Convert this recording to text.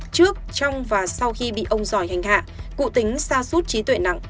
trước trong và sau khi bị ông giỏi hành hạ cụ tính xa suốt trí tuệ nặng